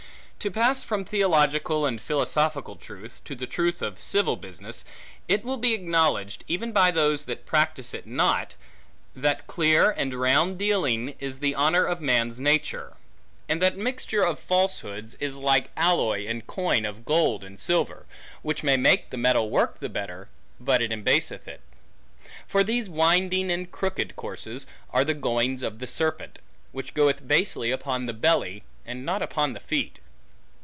To pass from theological, and philosophical truth, to the truth of civil business; it will be acknowledged, even by those that practise it not, that clear, and round dealing, is the honor of man's nature; and that mixture of falsehoods, is like alloy in coin of gold and silver, which may make the metal work the better, but it embaseth it. For these winding, and crooked courses, are the goings of the serpent; which goeth basely upon the belly, and not upon the feet.